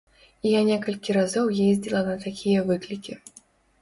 І я некалькі разоў ездзіла на такія выклікі.